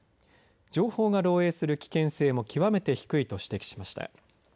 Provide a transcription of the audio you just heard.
情報が漏えいする危険性も極めて低いと指摘しました。